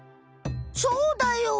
そうだよ。